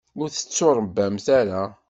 Ur tettuṛebbamt ara.